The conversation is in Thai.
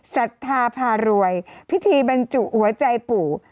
ศรัทธาพารวยพิธีบรรจุหัวใจปู่